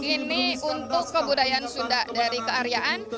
ini untuk kebudayaan sunda dari kearyaan